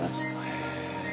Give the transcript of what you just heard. へえ。